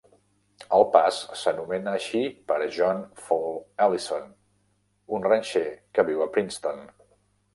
El pas s'anomena així per John Fall Allison, un ranxer que viu a Princeton.